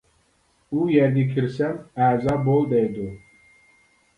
ئۇ يەرگە كىرسەم ئەزا بول دەيدۇ.